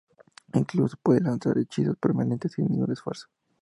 Incluso puede lanzar hechizos permanentes sin ningún esfuerzo.